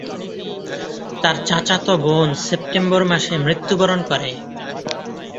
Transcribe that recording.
তার চাচাতো বোন সেপ্টেম্বর মাসে মৃত্যুবরণ করে।